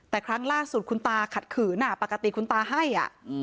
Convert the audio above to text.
แต่ครั้งล่าสุดคุณตาขัดขืนปกติคุณตาให้